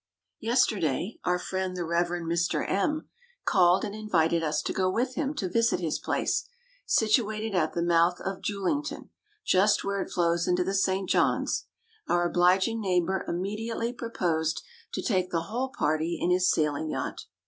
Yesterday, our friend the Rev. Mr. M called and invited us to go with him to visit his place, situated at the mouth of Julington, just where it flows into the St. John's. Our obliging neighbor immediately proposed to take the whole party in his sailing yacht.